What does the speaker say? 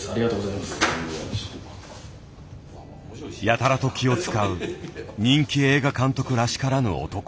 やたらと気を遣う人気映画監督らしからぬ男。